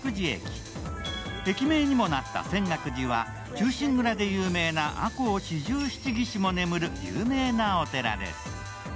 駅名にもなった泉岳寺は、忠臣蔵で有名な赤穂四十七義士も眠る有名なお寺です。